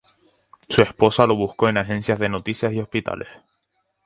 Su esposa lo buscó en agencias de noticias y en hospitales.